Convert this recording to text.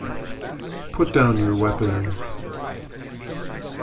Put down your weapons.